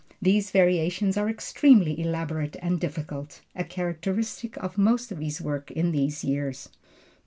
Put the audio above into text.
These variations are extremely elaborate and difficult, a characteristic of most of his work in these years.